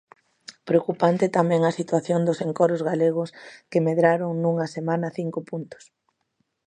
Preocupante tamén a situación dos encoros galegos que medraron nunha semana cinco puntos.